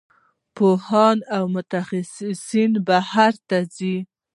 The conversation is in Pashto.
پوهان او متخصصین بهر ته ځي.